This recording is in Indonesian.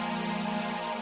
tolong aku mau tidur